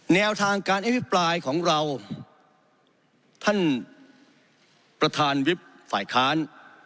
แนวทางการอภิปรายของเราท่านประธานวิบฝ่ายค้าน